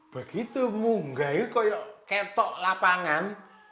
begitu munggahin kaya ketok lapangan